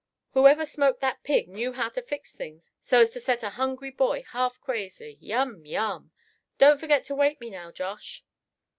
whoever smoked that pig knew how to fix things so's to set a hungry boy half crazy. Yum! yum! Don't forget to wake me, now, Josh!"